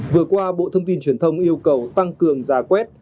vừa qua bộ thông tin truyền thông yêu cầu tăng cường giả quét